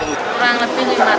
kurang lebih lima tahun